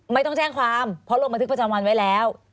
ไม่ต้องแจ้งความเพราะลงบันทึกประจำวันไว้แล้ว